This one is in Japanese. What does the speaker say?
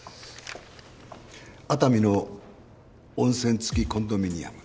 熱海の温泉つきコンドミニアム。